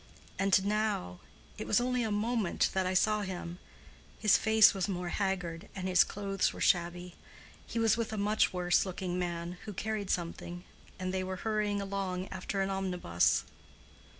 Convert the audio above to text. And now—it was only a moment that I saw him—his face was more haggard, and his clothes were shabby. He was with a much worse looking man, who carried something, and they were hurrying along after an omnibus."